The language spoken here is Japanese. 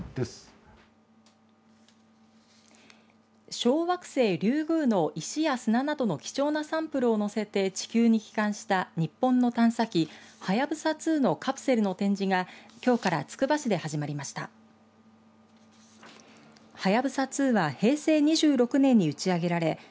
小惑星リュウグウの石や砂などの貴重なサンプルを載せて地球に帰還した日本の探査機はやぶさ２のカプセルの展示がきょうからつくば市で始まりました。